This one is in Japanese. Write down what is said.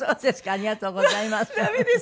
ありがとうございます。